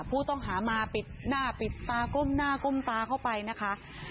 ผู้ต้องหามาปิดหน้าปิดตาก้มหน้าก้มตาเข้าไปนะคะ